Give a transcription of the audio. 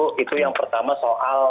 itu yang pertama soal